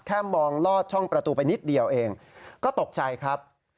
มองลอดช่องประตูไปนิดเดียวเองก็ตกใจครับ